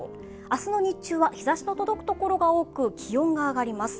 明日の日中は日ざしの届く所が多く、気温が上がります。